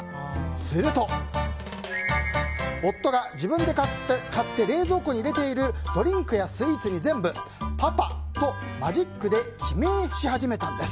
すると、夫が自分で買って冷蔵庫に入れているドリンクやスイーツに全部「パパ」とマジックで記名し始めたんです。